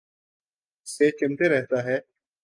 اس سے چمٹے رہتا ہے۔